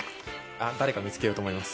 誰か見つけようと思います